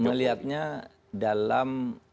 saya melihatnya dalam